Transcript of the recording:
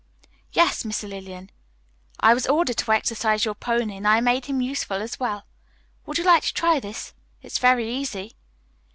"Yes, Miss Lillian. I was ordered to exercise your pony and I made him useful as well. Would you like to try this? It's very easy."